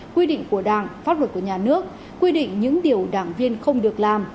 quy định của đảng pháp luật của nhà nước quy định những điều đảng viên không được làm